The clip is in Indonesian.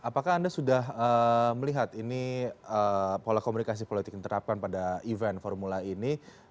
apakah anda sudah melihat ini pola komunikasi politik yang diterapkan pada event formula ini